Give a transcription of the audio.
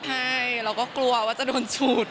ใช่เราก็กลัวว่าจะโดนฉูด